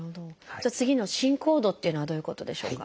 次の「進行度」っていうのはどういうことでしょうか？